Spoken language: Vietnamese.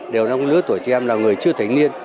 đều là lứa tuổi trẻ em là người chưa thành niên